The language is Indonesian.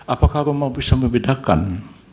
apakah rumah bisa membedakan